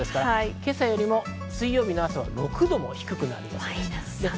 今朝よりも水曜日の朝は６度も低くなりそうです。